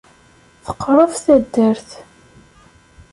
Teqreb taddart.